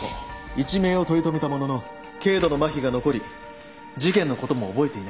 一命を取り留めたものの軽度のまひが残り事件のことも覚えていない。